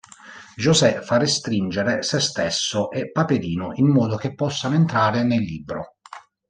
José fa restringere sé stesso e Paperino, in modo che possano entrare nel libro.